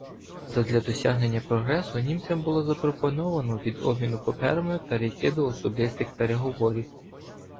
Задля досягнення прогресу німцям було запропоновано від обміну паперами перейти до особистих переговорів.